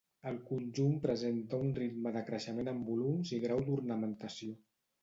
El conjunt presenta un ritme de creixement en volums i grau d'ornamentació.